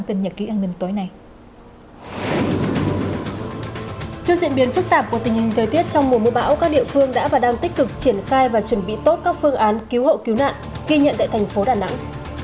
trước diễn biến phức tạp của tình hình thời tiết trong mùa mưa bão các địa phương đã và đang tích cực triển khai và chuẩn bị tốt các phương án cứu hộ cứu nạn ghi nhận tại thành phố đà nẵng